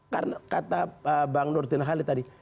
karena kata bang nurdin khalid tadi